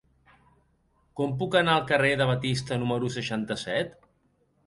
Com puc anar al carrer de Batista número seixanta-set?